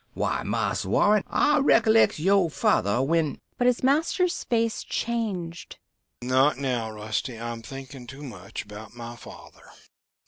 Why, Marse Warren, I recollects yoh father when...." But his master's face changed. "Not now, Rusty. I'm thinking too much about my father.